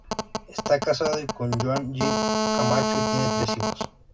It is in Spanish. Está casado con Joann G. Camacho y tiene tres hijos.